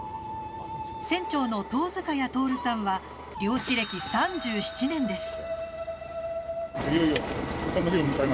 船長の遠塚谷透さんは漁師歴３７年です。